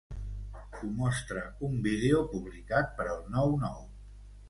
Ho mostra un vídeo publicat per El nou Nou.